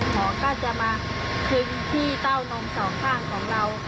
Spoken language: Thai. หมอก็จะมาคึงที่เต้านมสองข้างของเรา